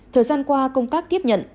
thời gian qua công tác tiếp nhận